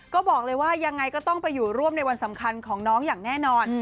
ก็บอกเลยว่ายังไงก็ต้องไปอยู่ร่วมในวันสำคัญของน้องอย่างแน่นอน